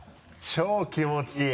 超気持ちいい！